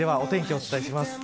お伝えします。